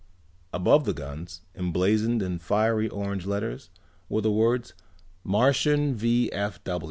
Above the guns, emblazoned in fiery orange letters, were the words: "MARTIAN V.